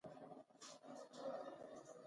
ښايي دا امکان به هم و